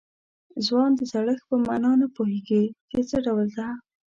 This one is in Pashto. ځوان د زړښت په معنا نه پوهېږي چې څه ډول ده.